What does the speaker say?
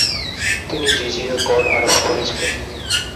তিনি জিজিয়া কর আরোপ করেছিলেন।